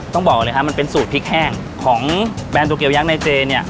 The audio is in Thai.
ต้องบอกเลยครับมันเป็นสูตรพริกแห้งของแบรนดโตเกียวยักษ์ในเจเนี่ย